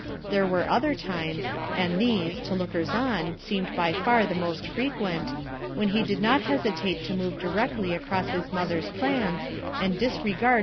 There were other times, and these, to lookers on seemed by far the most frequent, when he did not hesitate to move directly across his mother's plans and disregard.